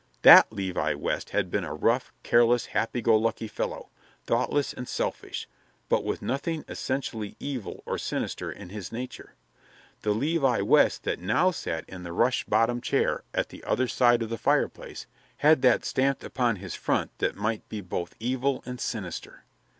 That Levi West had been a rough, careless, happy go lucky fellow; thoughtless and selfish, but with nothing essentially evil or sinister in his nature. The Levi West that now sat in a rush bottom chair at the other side of the fireplace had that stamped upon his front that might be both evil and sinister.